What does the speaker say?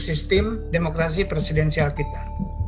sistem demokrasi presidensial kita